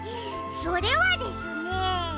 それはですねえ！